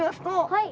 はい！